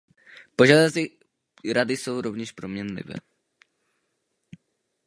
Požadavky Rady jsou rovněž proměnlivé.